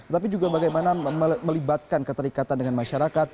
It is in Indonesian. tapi kita tentu berikan kepada